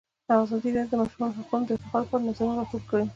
ازادي راډیو د د ماشومانو حقونه د ارتقا لپاره نظرونه راټول کړي.